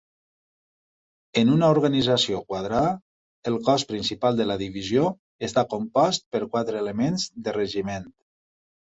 En una organització quadrada, el cos principal de la divisió està compost per quatre elements de regiment.